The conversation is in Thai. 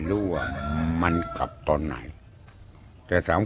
อันนั้นน่าจะเป็นวัยรุ่นที่จะเจอวันนี้